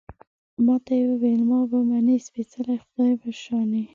ما ته يې ویل، ما به منې، سپېڅلي خدای په شانې